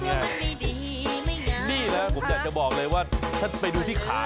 ได้แต่พี่จริงนะผมอยากจะบอกเลยว่าถ้าไปดูที่ขา